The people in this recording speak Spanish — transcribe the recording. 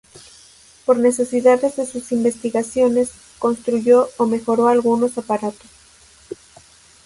Por necesidades de sus investigaciones, construyó o mejoró algunos aparatos.